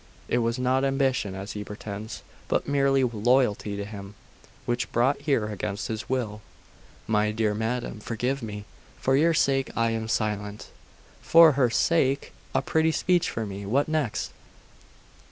It was not ambition, as he pretends, but merely loyalty to him, which brought here against his will.' 'My dear madam, forgive me. For your sake I am silent.'.... 'For her sake! A pretty speech for me! What next?